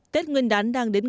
tết nguyên đán đang đến gần